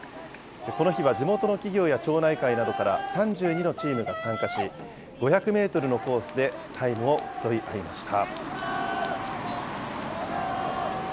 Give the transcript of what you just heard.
この日は地元の企業や町内会などから３２のチームが参加し、５００メートルのコースでタイムを競い合いました。